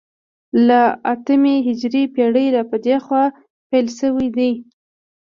له اتمې هجرې پېړۍ را په دې خوا پیل شوی دی